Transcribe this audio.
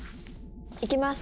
いきます。